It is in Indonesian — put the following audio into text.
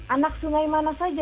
anak sungai mana saja